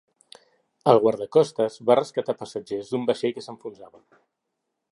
El guardacostes va rescatar passatgers d'un vaixell que s'enfonsava.